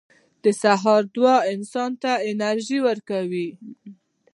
• د سهار دعا انسان ته انرژي ورکوي.